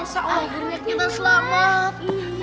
masa allah dirinya kita selamat